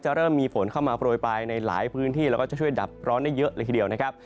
เริ่มมีฝนเข้ามาโปรยปลายในหลายพื้นที่แล้วก็จะช่วยดับร้อนได้เยอะเลยทีเดียวนะครับ